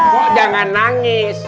kok jangan nangis